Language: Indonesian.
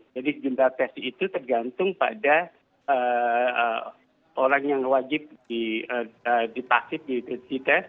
jadi jumlah tes itu tergantung pada orang yang wajib dipasif di tes